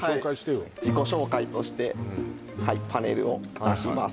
はい自己紹介としてはいパネルを出します